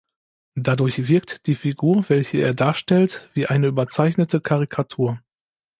Dadurch wirkt die Figur, welche er darstellt, wie eine überzeichnete Karikatur.